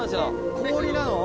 氷なの？